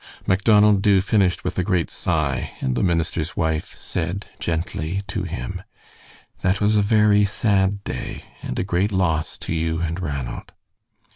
Macdonald Dubh finished with a great sigh, and the minister's wife said gently to him: "That was a very sad day, and a great loss to you and Ranald."